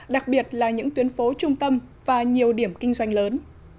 đặc biệt là những tuyến phố trung tâm và nhiều điểm kinh doanh lớn